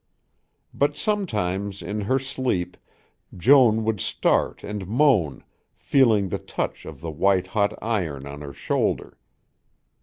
But sometimes in her sleep Joan would start and moan feeling the touch of the white hot iron on her shoulder.